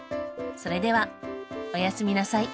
それではおやすみなさい。